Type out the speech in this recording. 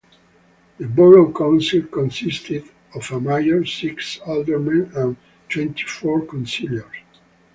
The borough council consisted of a mayor, six aldermen and twenty-four councillors.